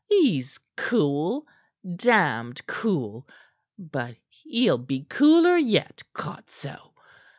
He's cool! Damned cool! But he'll be cooler yet, codso!"